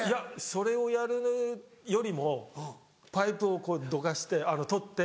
それをやるよりもパイプをどかして取って。